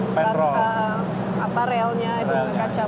mencuri relnya itu dengan kaca